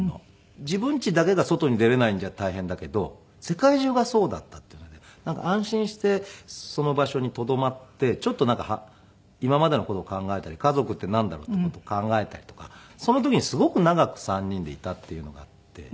自分家だけが外に出れないんじゃ大変だけど世界中がそうだったっていうので安心してその場所にとどまってちょっと今までの事を考えたり家族ってなんだろうという事を考えたりとかその時にすごく長く３人でいたっていうのがあって。